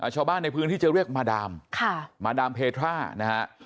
ชาวบ้านในพื้นที่จะเรียกมาดามมาดามเพทรานะฮะ